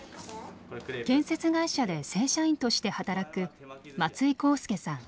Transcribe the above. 建設会社で正社員として働く松井康介さん